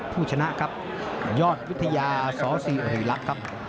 ผู้ชนะครับยอดวิทยาสสิริรักษ์ครับ